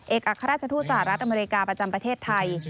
อัครราชทูตสหรัฐอเมริกาประจำประเทศไทย